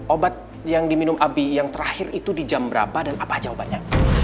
obat yang diminum abi yang terakhir itu di jam berapa dan apa jawabannya